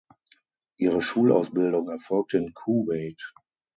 Ihre Schulausbildung erfolgte in Kuwait.